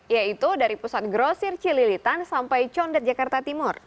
yaitu dari pusat grosir cililitan sampai condet jakarta timur